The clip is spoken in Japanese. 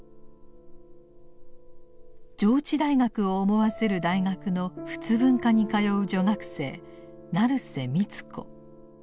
上智大学を思わせる大学の仏文科に通う女学生「成瀬美津子」。